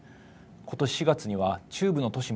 ことし４月には中部の都市